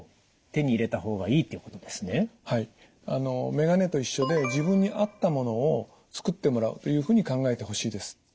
眼鏡と一緒で自分に合ったものを作ってもらうというふうに考えてほしいです。